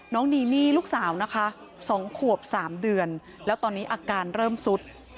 นีนี่ลูกสาวนะคะ๒ขวบ๓เดือนแล้วตอนนี้อาการเริ่มสุด